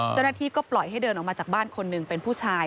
เจ้าหน้าที่ก็ปล่อยให้เดินออกมาจากบ้านคนหนึ่งเป็นผู้ชาย